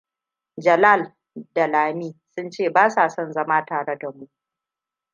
Jalal da Lamiam sun ce basa son zama tare da mu.